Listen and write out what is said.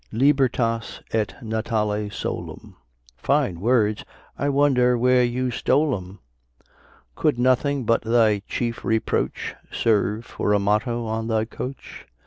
Libertas et natale solum; Fine words! I wonder where you stole 'em: Could nothing but thy chief reproach Serve for a motto on thy coach?